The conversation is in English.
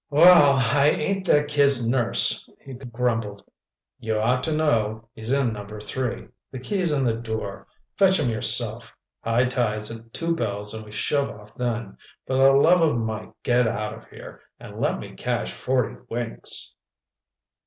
"Well, I ain't that kid's nurse," he grumbled. "You ought to know, he's in Number 3. The key's in the door. Fetch him yourself. High tide's at two bells and we shove off then. For the love of Mike, get out of here and let me catch forty winks!"